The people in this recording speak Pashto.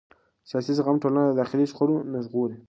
سیاسي زغم ټولنه د داخلي شخړو نه ژغوري